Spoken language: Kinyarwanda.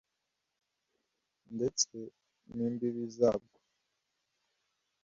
ndetse n’imbibi zabwo